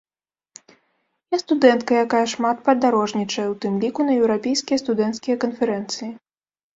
Я студэнтка, якая шмат падарожнічае, ў тым ліку на еўрапейскія студэнцкія канферэнцыі.